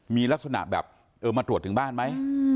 มีลักษณะแบบเออมาตรวจถึงบ้านไหม